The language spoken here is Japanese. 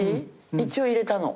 一応入れたの。